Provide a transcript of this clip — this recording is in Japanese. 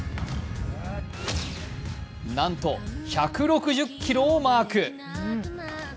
なんと１６０キロをマーク。